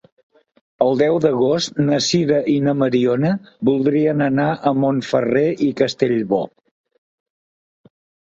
El deu d'agost na Sira i na Mariona voldrien anar a Montferrer i Castellbò.